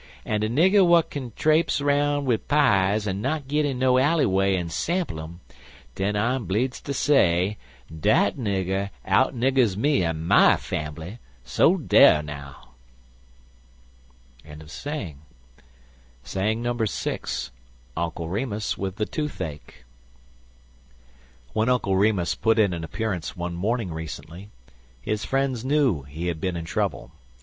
An' de nigger w'at k'n trapes 'round wid pies and not git in no alley way an' sample um, den I'm bleedzd ter say dat nigger out niggers me an' my fambly. So dar now!" VI. UNCLE REMUS WITH THE TOOTHACHE WHEN Uncle Remus put in an appearance one morning recently, his friends knew he had been in trouble.